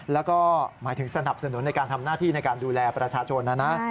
แล้วก็หมายถึงสนับสนุนในการทำหน้าที่ในการดูแลประชาชนนะนะ